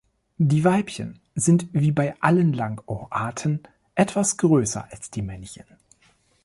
Die Weibchen sind wie bei allen Langohr-Arten etwas größer als die Männchen.